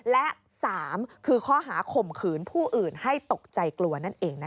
และ๓คือข้อหาข่มขืนผู้อื่นให้ตกใจกลัวนั่นเองนะคะ